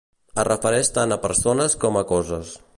Es refereix tant a persones com a coses.